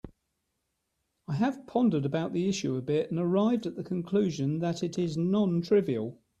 I have pondered about the issue a bit and arrived at the conclusion that it is non-trivial.